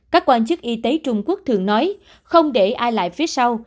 các quan chức y tế trung quốc thường nói không để ai lại phía sau